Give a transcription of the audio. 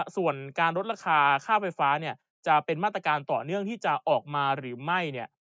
ส่วนการลดราคาค่าไฟฟ้าเนี่ยจะเป็นมาตรการต่อเนื่องที่จะออกมาหรือไม่เนี่ย